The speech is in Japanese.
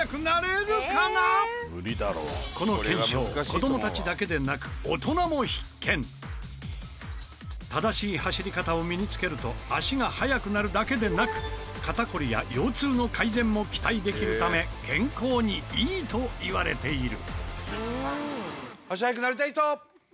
この検証正しい走り方を身に付けると足が速くなるだけでなく肩こりや腰痛の改善も期待できるため健康にいいといわれている。